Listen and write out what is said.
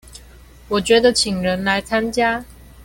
我覺得請人來參加